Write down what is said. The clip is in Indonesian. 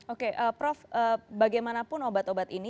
oke prof bagaimanapun obat obat ini